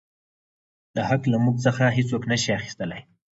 دا حـق لـه مـوږ څـخـه هـېڅوک نـه شـي اخيـستلى.